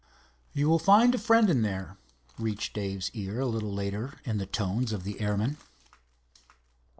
"You will find a friend in there," reached Dave's ear, a little later, in the tones of the airman.